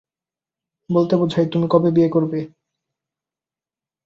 বলতে বোঝায় "তুমি কবে বিয়ে করবে?"